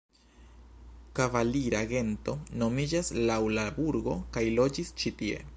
Kavalira gento nomiĝas laŭ la burgo kaj loĝis ĉi-tie.